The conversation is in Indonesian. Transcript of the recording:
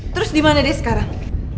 terus dimana deh sekarang